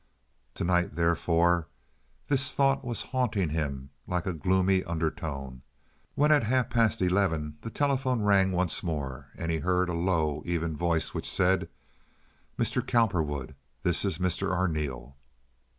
To night, therefore, this thought was haunting him like a gloomy undertone, when at half past eleven the telephone rang once more, and he heard a low, even voice which said: "Mr. Cowperwood? This is Mr. Arneel."